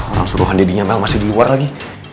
orang suruhan deddy nyamel masih di luar lagi